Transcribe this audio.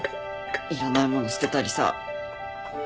いらないもの捨てたりさ。